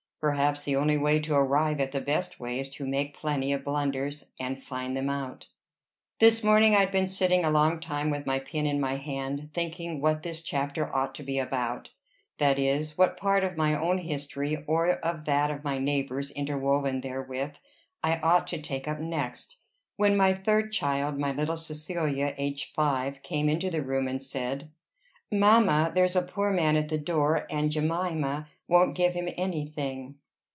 Perhaps the only way to arrive at the best way is to make plenty of blunders, and find them out. This morning I had been sitting a long time with my pen in my hand, thinking what this chapter ought to be about, that is, what part of my own history, or of that of my neighbors interwoven therewith, I ought to take up next, when my third child, my little Cecilia, aged five, came into the room, and said, "Mamma, there's a poor man at the door, and Jemima won't give him any thing."